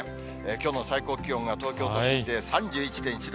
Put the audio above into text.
きょうの最高気温が東京都心で３１．１度。